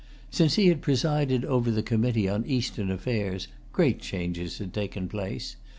Since he had presided over the committee on Eastern affairs, great changes had taken place.